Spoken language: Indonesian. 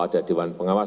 kalau ada dewan pengawas